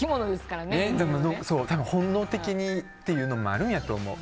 本能的にっていうのもあるんやと思う。